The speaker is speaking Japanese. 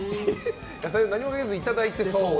野菜を何もかけずにいただいてそう。